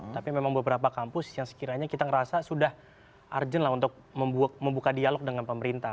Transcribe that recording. tapi memang beberapa kampus yang sekiranya kita ngerasa sudah urgent lah untuk membuka dialog dengan pemerintah